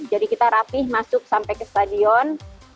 jadi kita rapih masuk sampai ke stadion